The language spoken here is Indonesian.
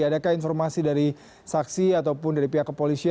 adakah informasi dari saksi ataupun dari pihak kepolisian